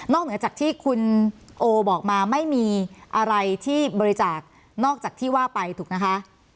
เหนือจากที่คุณโอบอกมาไม่มีอะไรที่บริจาคนอกจากที่ว่าไปถูกนะคะ